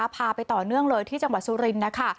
พาไปต่อเนื่องเลยที่จังหวัดสุรินทร์นะคะ